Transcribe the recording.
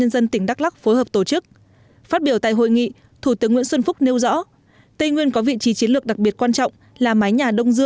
xin chào các bạn